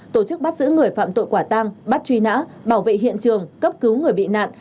tổ chức bắt giữ người phạm tội quả tang bắt truy nã bảo vệ hiện trường cấp cứu người bị nạn